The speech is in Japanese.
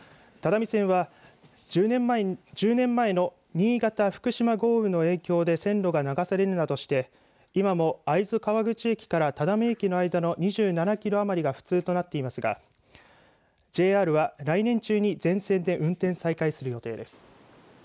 只見線は１０年前の新潟・福島豪雨の影響で線路が流されるなどして今も会津川口駅から只見駅の間の２７キロ余りが不通となっていますがＪＲは来年中に全線で運転再開する予定です。